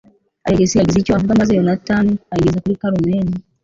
Alex yagize icyo avuga maze Yonatani ayigeza kuri Carmen.